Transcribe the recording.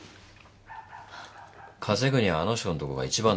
稼ぐにはあの人のとこが一番だから。